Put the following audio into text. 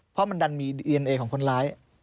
เพราะมันดันมีดีเอ็นเอของคนร้าย